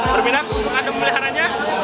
berbeda untuk anda memeliharanya